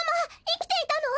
いきていたの？